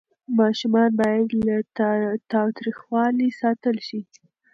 ماشومان باید له تاوتریخوالي ساتل سي.